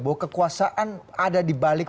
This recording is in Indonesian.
bahwa kekuasaan ada di balik